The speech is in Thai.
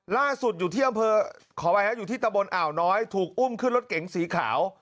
ล่าสุดอยู่ที่อำเภอขออภัยฮะอยู่ที่ตะบนอ่าวน้อยถูกอุ้มขึ้นรถเก๋งสีขาว